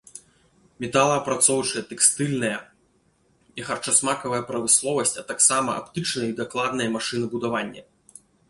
Металаапрацоўчая, тэкстыльная і харчасмакавая прамысловасць, а таксама аптычнае і дакладнае машынабудаванне.